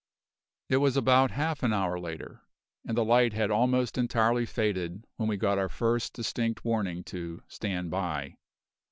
It was about half an hour later, and the light had almost entirely faded, when we got our first distinct warning to "stand by".